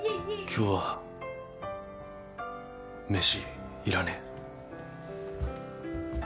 今日は飯いらねえ。